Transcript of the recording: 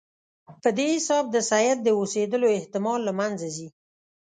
په دې حساب د سید د اوسېدلو احتمال له منځه ځي.